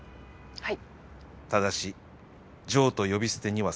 はい。